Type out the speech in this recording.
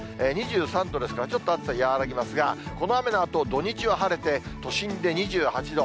２３度ですから、ちょっと暑さ、和らぎますが、この雨のあと、土日は晴れて、都心で２８度。